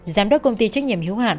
giám đốc công ty trách nhiệm hiếu hạn